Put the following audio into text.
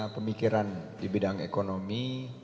pemikiran di bidang ekonomi